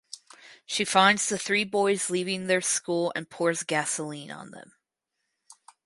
She finds the three boys leaving their school and pours gasoline on them.